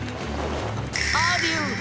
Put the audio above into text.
アデュー！